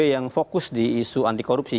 yang mengatakan anti korupsi